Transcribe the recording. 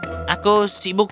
tidak ayah saya sibuk